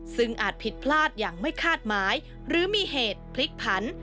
ซึ่งอาจผิดพลาดอย่างไม่คาดหมายหรือมีเหตุพลิกผัน